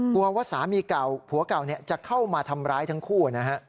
ว่าสามีเก่าผัวเก่าจะเข้ามาทำร้ายทั้งคู่นะฮะ